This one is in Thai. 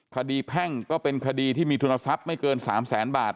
แพ่งก็เป็นคดีที่มีทุนทรัพย์ไม่เกิน๓แสนบาท